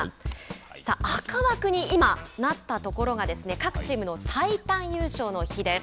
さあ、赤枠に今、なったところが各チームの最短優勝の日です。